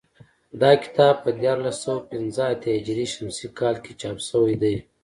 دا کتاب په دیارلس سوه پنځه اتیا هجري شمسي کال کې چاپ شوی دی